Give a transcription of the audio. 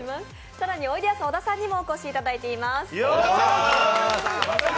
更に、おいでやす小田さんにもお越しいただいています。